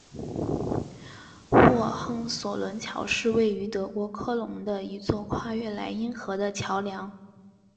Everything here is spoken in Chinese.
霍亨索伦桥是位于德国科隆的一座跨越莱茵河的桥梁。